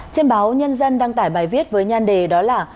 trên báo nhân dân đăng tải bài viết với nhan đề đó là